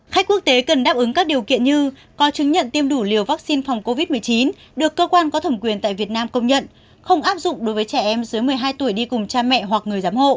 khách quốc tế cần đáp ứng các điều kiện như có chứng nhận tiêm đủ liều vaccine phòng covid một mươi chín được cơ quan có thẩm quyền tại việt nam công nhận không áp dụng đối với trẻ em dưới một mươi hai tuổi đi cùng cha mẹ hoặc người giám hộ